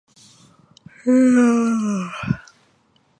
Strength gains are experienced by subjects without any increased muscle size.